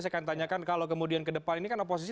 saya akan tanyakan kalau kemudian kedepan ini kan oposisi